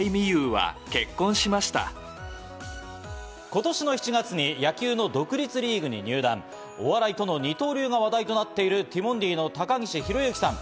今年の７月に野球の独立リーグに入団、お笑いとの二刀流が話題となっているティモンディの高岸宏行さん。